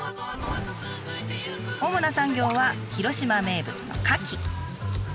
主な産業は広島名物の牡蠣。